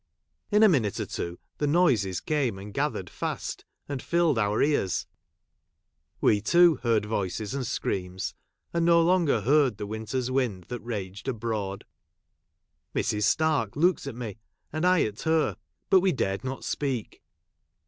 In a minute or tw'o the noises came, and gathered fast, and filled our Cal'S ; we, too, heard voices and screams, and no longer heard the winter's wind that raged abroad. Mrs. Stark looked at me, and ; I at her, but we dared not speak.